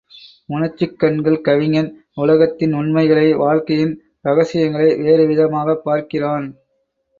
உணர்ச்சிக் கண்கள் கவிஞன் உலகத்தின் உண்மைகளை, வாழ்க்கையின் ரகஸியங்களை வேறு விதமாகப் பார்க்கிறான்.